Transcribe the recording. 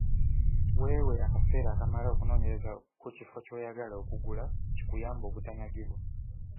Weewe akaseera akamala okunoonyereza ku kifo ky'oyagala okugula kikuyambe obutanyagibwa.